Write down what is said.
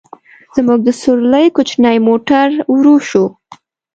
زموږ د سورلۍ کوچنی موټر ورو شو.